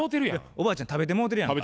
おばあちゃん食べてもうてるやんか。